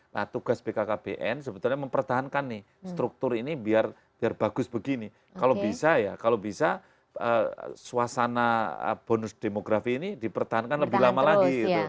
nah tugas bkkbn sebetulnya mempertahankan nih struktur ini biar bagus begini kalau bisa ya kalau bisa suasana bonus demografi ini dipertahankan lebih lama lagi